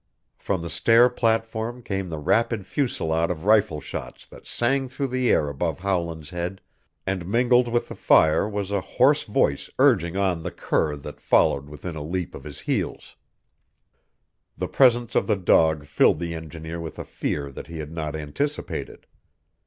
From the stair platform came a rapid fusillade of rifle shots that sang through the air above Howland's head, and mingled with the fire was a hoarse voice urging on the cur that followed within a leap of his heels. The presence of the dog filled the engineer with a fear that he had not anticipated.